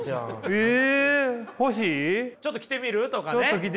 「ちょっと着てみる？」とかね。